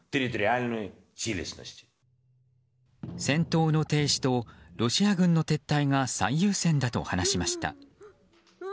戦闘の停止とロシア軍の撤退が最優先だと話しました。